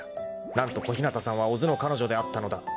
［何と小日向さんは小津の彼女であったのだ］